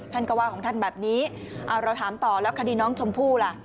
ท่านก็ว่าของท่านแบบนี้เอาเราถามต่อแล้วคดีน้องชมพู่ล่ะ